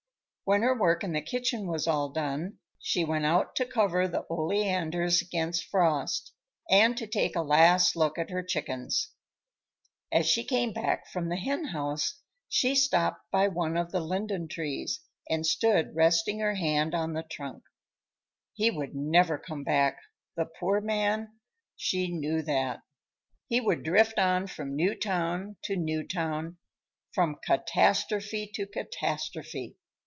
When her work in the kitchen was all done, she went out to cover the oleanders against frost, and to take a last look at her chickens. As she came back from the hen house she stopped by one of the linden trees and stood resting her hand on the trunk. He would never come back, the poor man; she knew that. He would drift on from new town to new town, from catastrophe to catastrophe.